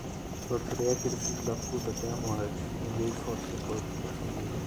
Torturei aquele filho da puta até a morte, enviei foto do corpo pra família